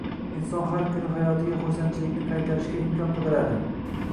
Inson har kuni hayotiga xursandchilikni qaytarishga imkon qidiradi